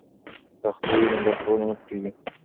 که تخته وي نو لارښوونه نه پټیږي.